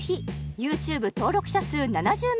ＹｏｕＴｕｂｅ登録者数７０万